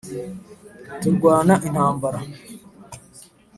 turwana intambara